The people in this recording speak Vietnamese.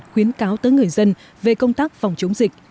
khuyến cáo tới người dân về công tác phòng chống dịch